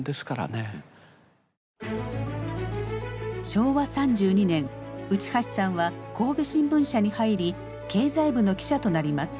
昭和３２年内橋さんは神戸新聞社に入り経済部の記者となります。